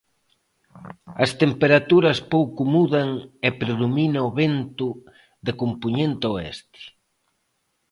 As temperaturas pouco mudan e predomina o vento de compoñente oeste.